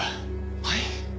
はい？